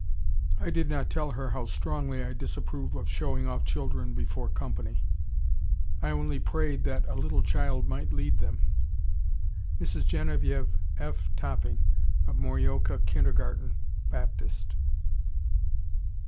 I did not tell her how strongly I disapprove of "showing off" children before company. I only prayed that "a little child might lead them." (Mrs. Genevieve F. Topping, of Morioka Kindergarten, Baptist.)